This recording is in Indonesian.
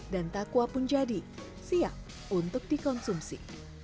dan takwa pun jadi siap untuk dikonsumsi